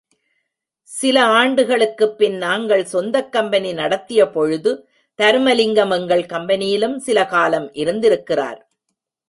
சில ஆண்டுகளுக்குப் பின் நாங்கள் சொந்தக் கம்பெனி நடத்திய பொழுது, தருமலிங்கம் எங்கள் கம்பெனியிலும் சில காலம் இருந்திருக்கிறார்.